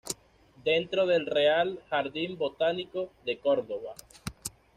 Dentro del Real Jardín Botánico de Córdoba.